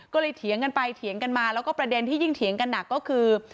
ก็เลยเถียงกันไปเถียงกันมาแล้วก็ประเด็นที่ยิ่งเถียงกันหนักก็คือ